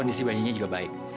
kondisi bayinya juga baik